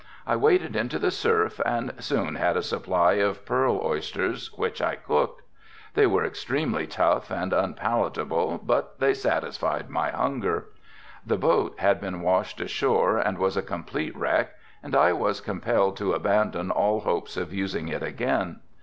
I waded into the surf and soon had a supply of pearl oysters which I cooked. They were extremely tough and unpalatable but they satisfied my hunger. The boat had been washed ashore and was a complete wreck and I was compelled to abandon all hopes of using it again.